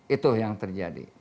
itu yang terjadi